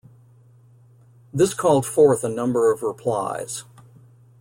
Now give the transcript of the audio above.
This called forth a number of replies.